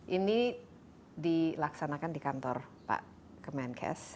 ini dilaksanakan di kantor pak kemenkes